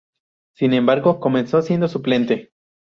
Sin embargo, comenzó siendo suplente.